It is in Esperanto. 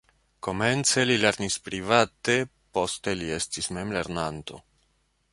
Komence li lernis private, poste li estis memlernanto.